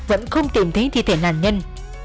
vẫn không tìm thấy thi thể nạn nhân